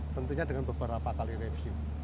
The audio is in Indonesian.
tentunya dengan beberapa kali review